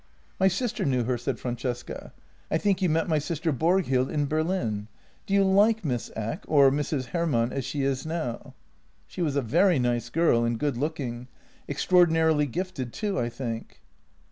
"" My sister knew her," said Francesca. " I think you met my sister Borghild in Berlin. Do you like Miss Eck — or Mrs. Hermann as she is now? "" She was a very nice girl — and good looking. Extraordi narily gifted, too, I think."